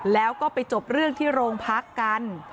แล้วก็ไปจบเรื่องที่โรงพักกัน